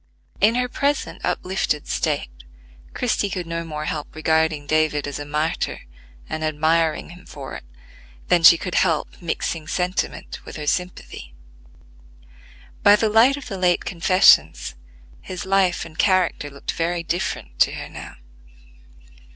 In her present uplifted state, Christie could no more help regarding David as a martyr and admiring him for it, than she could help mixing sentiment with her sympathy. By the light of the late confessions, his life and character looked very different to her now.